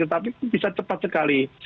tetapi bisa cepat sekali